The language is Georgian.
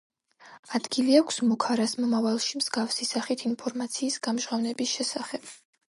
ადგილი აქვს მუქარას მომავალში მსგავსი სახით ინფორმაციის გამჟღავნების შესახებ.